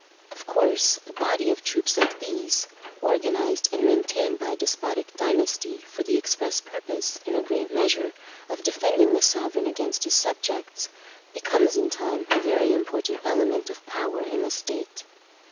Of course, a body of troops like these, organized and maintained by a despotic dynasty for the express purpose, in a great measure, of defending the sovereign against his subjects, becomes in time a very important element of power in the state.